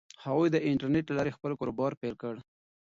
هغوی د انټرنیټ له لارې خپل کاروبار پیل کړ.